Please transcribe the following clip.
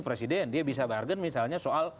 presiden dia bisa bargain misalnya soal